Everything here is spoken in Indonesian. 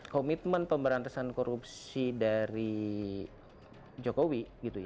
komitmen pemberantasan korupsi dari jokowi